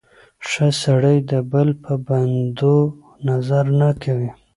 ښه سړی د بل په بدو نظر نه کوي.